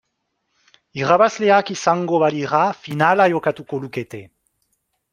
Irabazleak izango balira finala jokatuko lukete.